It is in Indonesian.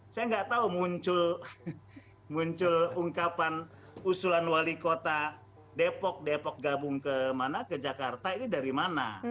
saya nggak tahu muncul ungkapan usulan wali kota depok depok gabung ke mana ke jakarta ini dari mana